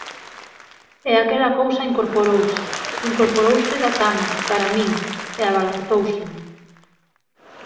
E aquela cousa incorporouse; incorporouse da cama, cara a min, e abalanzóuseme.